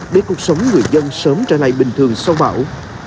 để cuộc sống người dân sớm trở lại bình thường sau bão